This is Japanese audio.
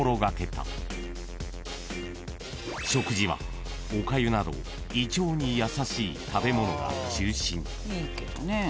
［食事はおかゆなど胃腸に優しい食べ物が中心］